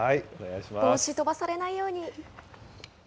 帽子飛ばされないように。